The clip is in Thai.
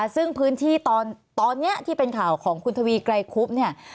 ซึ่งพื้นที่ตอนนี้ที่เป็นข่าวของคุณทวีไกรคุบเนี่ย